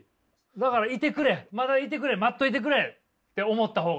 だからいてくれまだいてくれ待っといてくれって思った方が。